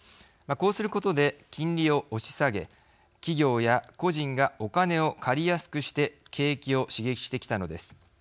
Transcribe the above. こうすることで金利を押し下げ企業や個人がお金を借りやすくして景気を刺激してきたのです。